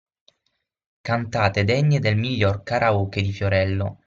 Cantate degne del miglior Karaoke di Fiorello.